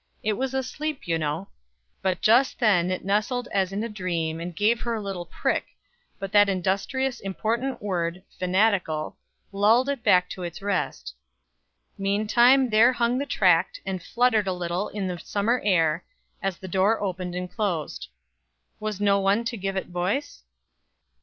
It was asleep, you know; but just then it nestled as in a dream, and gave her a little prick; but that industrious, important word, "fanatical," lulled it back to its rest. Meantime there hung the tract, and fluttered a little in the summer air, as the door opened and closed. Was no one to give it voice?